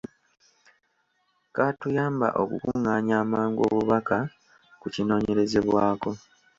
Kaatuyamba okukungaanya amangu obubaka ku kinoonyerezebwako.